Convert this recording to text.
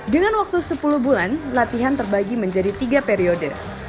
dengan waktu sepuluh bulan latihan terbagi menjadi tiga periode